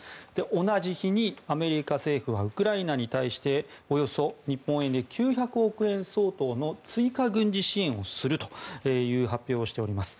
同じ日にアメリカ政府はウクライナに対しておよそ日本円で９００億円相当の追加軍事支援をするという発表をしております。